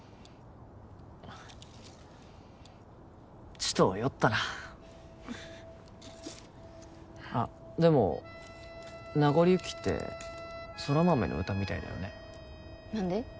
ちと酔ったなあっでも「なごり雪」って空豆の歌みたいだよね何で？